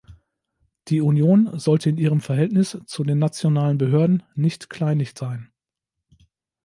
Die Union sollte in ihrem Verhältnis zu den nationalen Behörden nicht kleinlich sein.